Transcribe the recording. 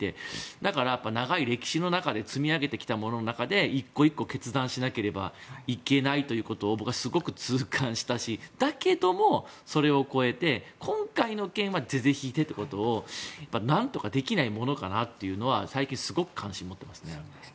だから、長い歴史の中で積み上げてきたものの中で１個１個決断しなければいけないということを僕はすごく痛感したしだけども、それを超えて今回の件は是々非々でということを何とかできないものかというのは最近すごく関心を持っています。